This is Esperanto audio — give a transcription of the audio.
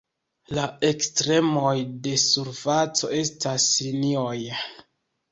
La ekstremoj de surfaco estas linioj.